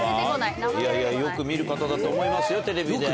いやいやよく見る方だと思いますよテレビで。